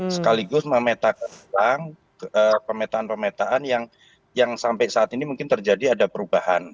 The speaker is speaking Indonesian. sekaligus memetakan ulang pemetaan pemetaan yang sampai saat ini mungkin terjadi ada perubahan